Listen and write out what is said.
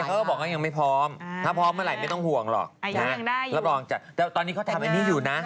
ตอนนี้เค้านำเข้าจริงเค้าทำกับกว่ากว่าถ้านำเข้าก็คงไปคุย